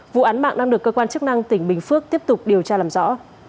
vụ án mạng đang được cơ quan chức năng tỉnh bình phước tiếp tục điều tra làm rõ